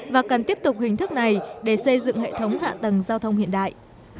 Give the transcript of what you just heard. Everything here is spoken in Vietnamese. và cần tiếp tục hình thức này để xây dựng hệ thống hạ tầng giao thông hiện đại